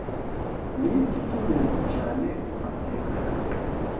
Niki cyingenzi cyane mumateka yanjye